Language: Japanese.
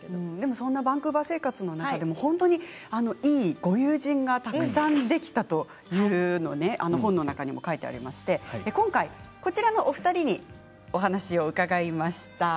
そういうバンクーバー生活の中でもいいご友人がたくさんできたというのが本の中にも書いてありまして今回、こちらのお二人にお話を伺いました。